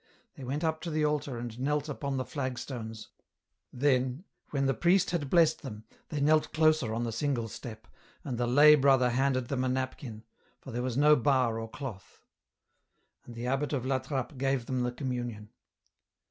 They went up to the altar and knelt upon the flagstones, then, when the priest had blessed them, they knelt closer on the single step, and the lay brother handed them a napkin, for there was no bar or cloth. And the abbot of La Trappe gave them the communion.